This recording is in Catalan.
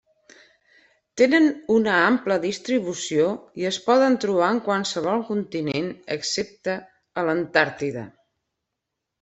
Tenen una ampla distribució i es poden trobar en qualsevol continent excepte a l'Antàrtida.